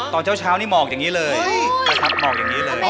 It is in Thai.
ตอนเช้านี้หมอกอย่างนี้เลย